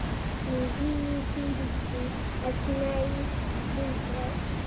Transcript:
نیزې یې تیرې کړې اسونه یې زین کړل